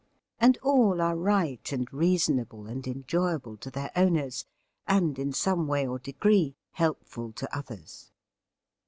And all are right and reasonable and enjoyable to their owners, and in some way or degree helpful to others.